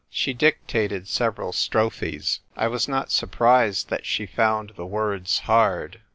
She dictated several strophes. I was not surprised that she found the words hard.